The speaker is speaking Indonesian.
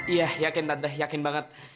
iya yakin tante yakin banget